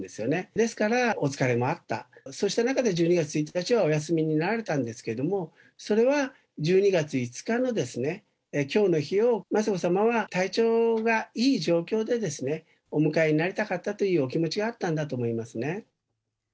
ですから、お疲れもあった、そうした中で１２月１日はお休みになられたんですけれども、それは１２月５日のきょうの日を、雅子さまは体調がいい状況でですね、お迎えになりたかったというお気持ちがあったんだと思いますね。